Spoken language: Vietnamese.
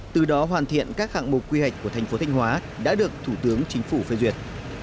từ đó hoàn thiện các hạng mục quy hoạch của thành phố thanh hóa đã được thủ tướng chính phủ phê duyệt